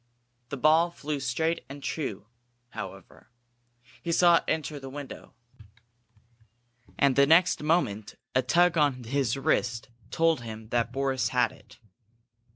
The ball flew straight and true, however. He saw it enter the window. And the next moment a tug on his wrist told him that Boris had it.